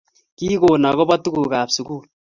kikoon akobo tugukab sukul